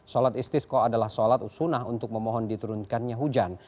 sholat istiskok adalah sholat sunah untuk memohon diturunkannya hujan